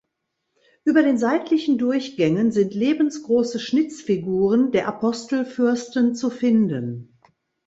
Über den seitlichen Durchgängen sind lebensgroße Schnitzfiguren der Apostelfürsten zu finden.